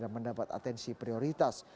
dan mendapat atensi prioritas